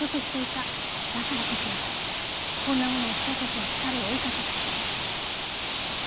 だからこそこんなものを仕掛けて彼を追いかけた。